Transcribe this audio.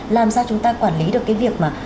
làm sao chúng ta quản lý được cái việc mà